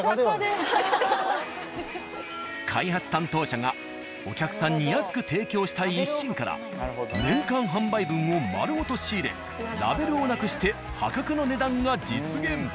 開発担当者がお客さんに安く提供したい一心から年間販売分を丸ごと仕入れラベルをなくして破格の値段が実現。